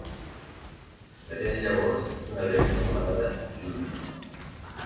Que tenen llavors d'una gramínia anomenada jull.